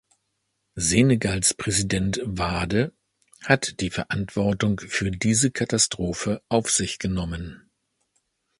Senegals Präsident Wade hat die Verantwortung für diese Katastrophe auf sich genommen.